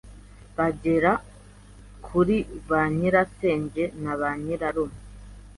bagera kuri ba nyirasenge na ba nyirarume